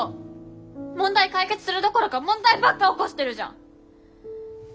問題解決するどころか問題ばっか起こしてるじゃん！